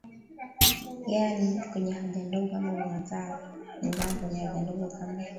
yani kwenye haja ndogo ama una uzaa kwenye haja ndogo kama